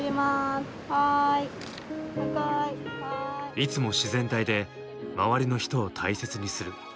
いつも自然体で周りの人を大切にする。